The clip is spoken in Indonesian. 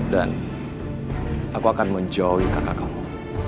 dan aku akan menjauhi kakak kamu